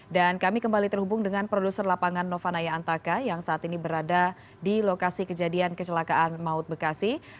dan kami kembali terhubung dengan produser lapangan nova naya antaka yang saat ini berada di lokasi kejadian kecelakaan maut bekasi